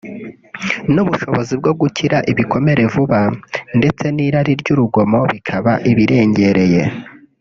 n’ubushobozi bwo gukira ibikomere vuba ndetse n’irari ry’urugomo bikaba ibirengereye